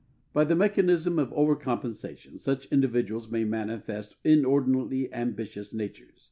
By the mechanism of over compensation such individuals may manifest inordinately ambitious natures.